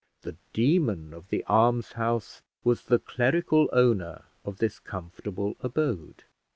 The demon of "The Almshouse" was the clerical owner of this comfortable abode.